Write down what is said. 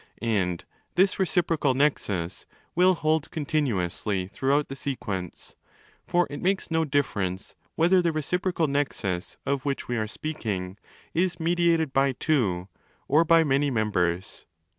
And this reciprocal zexus will hold continuously throughout the sequence: for it makes no difference whether the reciprocal zexus, of which we are speaking, is _ mediated by two, or by many, members.